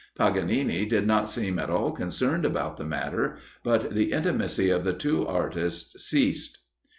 Paganini did not seem at all concerned about the matter, but the intimacy of the two artists ceased.